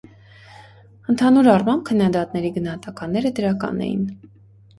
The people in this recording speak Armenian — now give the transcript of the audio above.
Ընդհանուր առմամբ, քննադատների գնահատականները դրական էին։